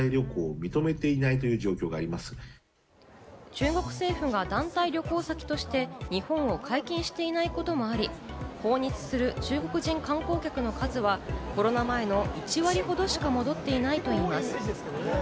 中国政府が団体旅行先として日本を解禁していないこともあり、訪日する中国人観光客の数はコロナ前の１割ほどしか戻っていないと言います。